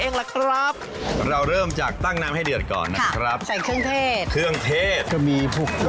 คำปรายประมาทไงครับพี่